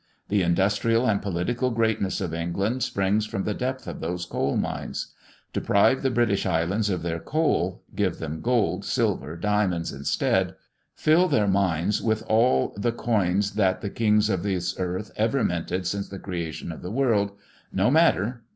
The industrial and political greatness of England springs from the depth of those coal mines. Deprive the British islands of their coal, give them gold, silver, diamonds, instead fill their mines with all the coins that the kings of this earth ever minted since the creation of the world no matter!